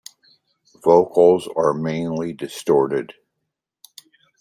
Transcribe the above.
Vocals are mainly distorted.